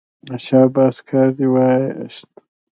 شاباس کار دې وایست.